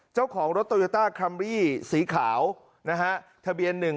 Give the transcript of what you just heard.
เจ้าของรถโตโยต้าคัมรี่สีขาวนะฮะทะเบียนหนึ่ง